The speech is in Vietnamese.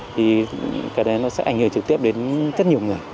thì cái đấy nó sẽ ảnh hưởng trực tiếp đến rất nhiều người